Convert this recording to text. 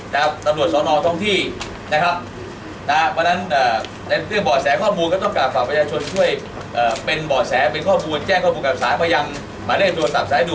ก็ยังดำลังการอย่างต่อเนื่องโดยการบุร